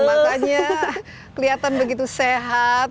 makanya kelihatan begitu sehat